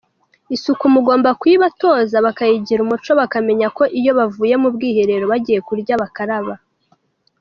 Isuku mugomba kuyibatoza bakayigira umuco bakamenya ko iyo bavuye mu bwiherero, bagiye kurya bakaraba.